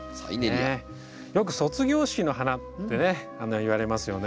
よく卒業式の花ってねいわれますよね。